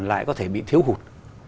lại có thể bị thiếu hụt